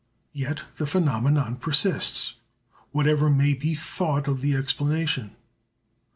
Yet the phenomenon persists, whatever may be thought of the explanation.